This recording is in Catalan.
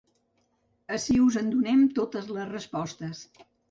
Ací us en donem totes les respostes.